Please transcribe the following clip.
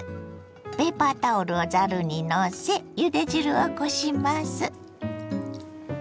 ペーパータオルをざるにのせゆで汁をこします。